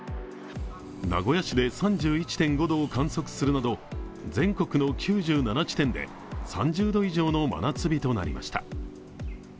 名古屋市で３１．５度を観測するなど全国の９７地点で３０度以上の真夏日となりました。